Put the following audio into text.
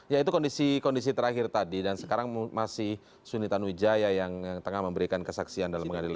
ya itu kondisi kondisi terakhir tadi dan sekarang masih sunita nwijaya yang tengah memberikan kesaksian dalam mengadil ini